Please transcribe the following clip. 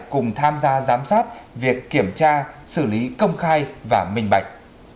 cùng tham gia giám sát việc kiểm tra xử lý công khai và minh bạch